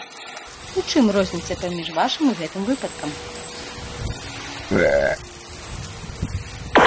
У чым розніца паміж вашым і гэтым выпадкам?